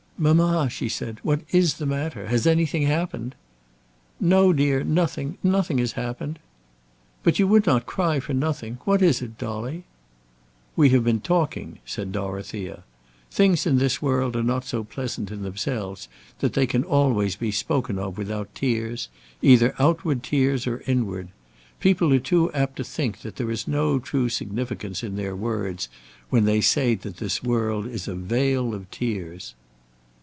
"Mamma," she said, "what is the matter; has anything happened?" "No, dear, nothing; nothing has happened." "But you would not cry for nothing. What is it, Dolly?" "We have been talking," said Dorothea. "Things in this world are not so pleasant in themselves that they can always be spoken of without tears, either outward tears or inward. People are too apt to think that there is no true significance in their words when they say that this world is a vale of tears."